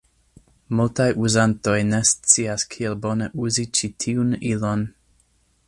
Multaj uzantoj ne scias kiel bone uzi ĉi tiun ilon.